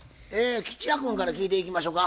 吉弥君から聞いていきましょか。